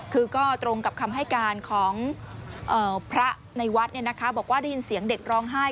คือก็ตรงกับคำให้การของพระในวัดบอกว่าได้ยินเสียงเด็กร้องไห้